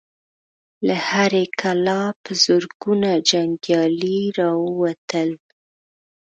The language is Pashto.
له هرې کلا په زرګونو جنګيالي را ووتل.